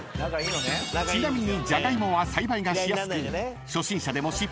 ［ちなみに］